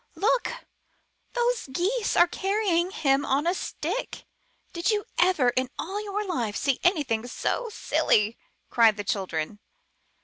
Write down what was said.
''Look! those Geese are carrying him on a stick. Did you ever in all your life see anyone look so silly?" cried the children.